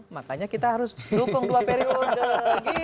makanya kita harus dukung dua periode